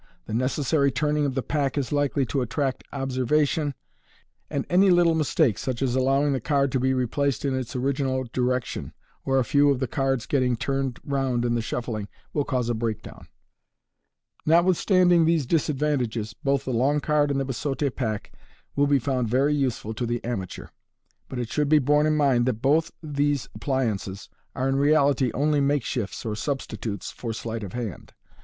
The necessary turning of the pack is likely to attract observation, and any little mistake, such as allowing the card to be replaced in its original direction, or a few of the cards getting turned round in shuffling, will cause a breakdown. Notwithstanding these disad vantages, both the long card and the biseaute pack will b* found very useful to the amateur j but it should be borne in mind that both these appliances are in reality only makeshifts or substitutes for sleight of hand.